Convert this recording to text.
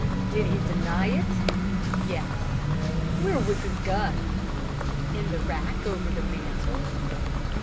"Did he deny it?" "Yes." "Where was his gun?" "In the rack over the mantel."